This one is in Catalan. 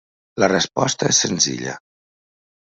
La resposta és senzilla.